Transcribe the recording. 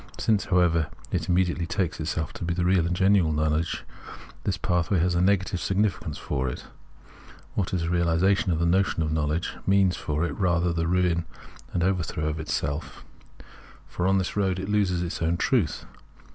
Since, however, it immediately takes itself to be the real and genuine knowledge, this pathway has a negative significance for it; what is a reahsation of the notion of knowledge means for it rather the ruin and over throw of itself ; for on this road it loses its own truth.